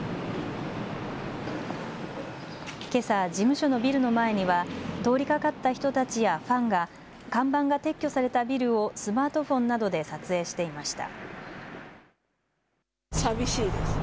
けさ、事務所のビルの前には通りかかった人たちやファンが看板が撤去されたビルをスマートフォンなどで撮影していました。